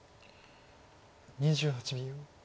２８秒。